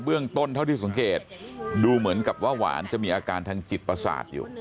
เรื่องต้นเท่าที่สังเกตดูเหมือนกับว่าหวานจะมีอาการทางจิตประสาทอยู่